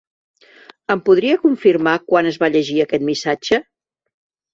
Em podria confirmar quan es va llegir aquest missatge?